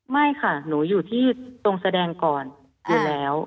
ไม่ค่ะหนูอยู่ที่ตรงแสดงก่อนอยู่แล้ว